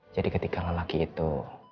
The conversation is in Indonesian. jadi ketika lelaki itu